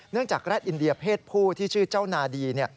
จากแร็ดอินเดียเพศผู้ที่ชื่อเจ้านาดี